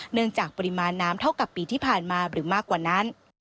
เนื่องจากปริมาณน้ำเท่ากับปีที่ผ่านมาหรือมากกว่านั้น